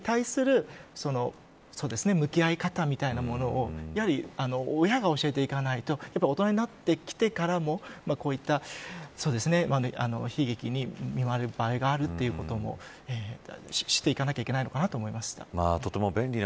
日本でも仮に親であったり家庭内で、若い時期からＳＮＳに対する向き合い方みたいなものをやはり親が教えていかないと大人になってきてからもこういった悲劇に見舞われる場合があるということも知っていかなければいけないと思いました。